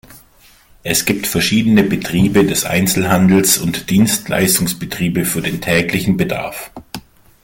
Es gibt verschiedene Betriebe des Einzelhandels und Dienstleistungsbetriebe für den täglichen Bedarf.